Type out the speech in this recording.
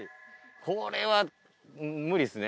これは無理ですね。